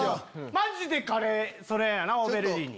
マジでカレーそれやんなオーベルジーヌ。